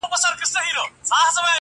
ډيره مننه مهربان شاعره.